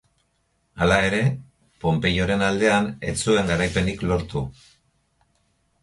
Hala ere, Ponpeioren aldean ez zuen garaipenik lortu.